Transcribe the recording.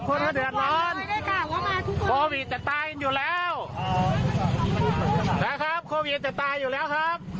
คนก็เดือดร้อนโควิดจะตายกันอยู่แล้วนะครับโควิดจะตายอยู่แล้วครับ